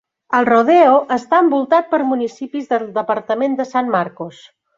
El Rodeo està envoltat per municipis del departament de San Marcos.